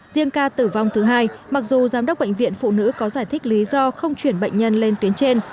riêng ca tử vong thứ hai mặc dù giám đốc bệnh viện phụ nữ có giải thích lý do không chuyển bệnh nhân lên tuyến trên